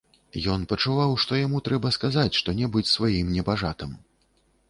Ён пачуваў, што яму трэба сказаць што-небудзь сваім небажатам.